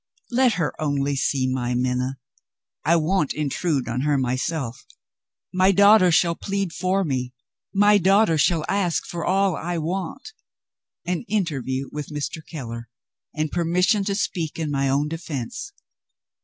Let her only see my Minna; I won't intrude on her myself. My daughter shall plead for me; my daughter shall ask for all I want an interview with Mr. Keller, and permission to speak in my own defense.